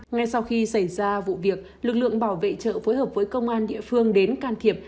ngay sau khi xảy ra vụ việc lực lượng bảo vệ chợ phối hợp với công an địa phương đến can thiệp